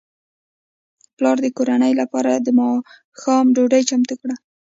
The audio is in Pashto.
پلار د کورنۍ لپاره د ماښام ډوډۍ چمتو کړه.